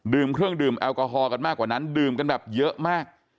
เครื่องดื่มแอลกอฮอล์กันมากกว่านั้นดื่มกันแบบเยอะมาก